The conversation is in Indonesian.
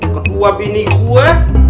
kedua bini gue